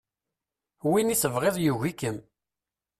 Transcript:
Win i tebɣiḍ yugi-kem.